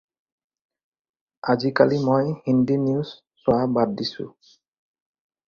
আজিকালি মই হিন্দী নিউজ চোৱা বাদ দিছোঁ।